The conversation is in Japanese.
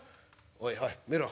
おいおい見ろ。